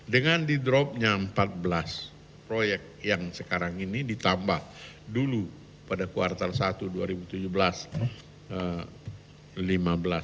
dengan di dropnya empat belas proyek yang sekarang ini ditambah dulu pada kuartal satu dua ribu tujuh belas